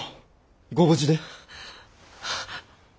ご無事で。